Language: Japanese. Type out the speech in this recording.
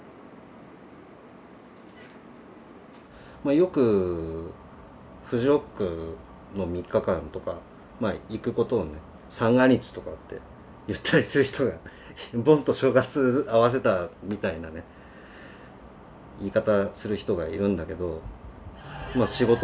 よくフジロックの３日間とか行くことをね三が日とかって言ったりする人が盆と正月合わせたみたいなね言い方する人がいるんだけど。